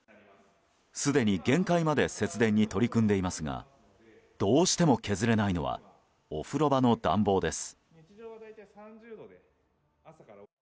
すでに限界まで節電に取り組んでいますがどうしても削れないのはお風呂場の暖房です。